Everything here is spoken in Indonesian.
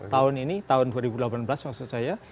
tahun ini tahun dua ribu delapan belas maksud saya